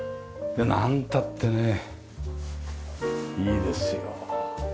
なんたってねいいですよ。